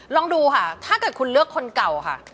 ลองดูค่ะถ้าเกิดคุณเลือกคนเก่าค่ะ